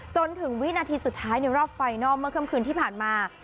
จนถึงวินาทีสุดท้ายในรอบไฟนัลเมื่อค่ำคืนที่ผ่านมา